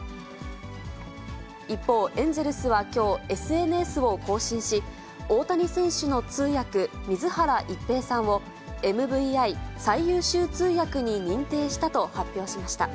一方、エンゼルスはきょう、ＳＮＳを更新し、大谷選手の通訳、水原一平さんを、ＭＶＩ・最優秀通訳に認定したと発表しました。